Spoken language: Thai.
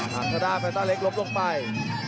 หักทอด้าแฟนเตอร์เล็กลบลงไป